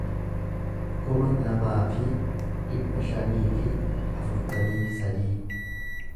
kuma lamaa fi dhibba shanii fi afurtamii sadii